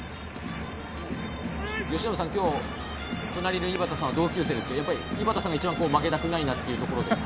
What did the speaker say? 今日隣の井端さんは同級生ですけど、井端さんが一番負けたくないなっていうところですか。